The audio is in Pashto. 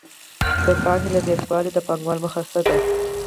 د پانګې له زیاتوالي د پانګوال موخه څه ده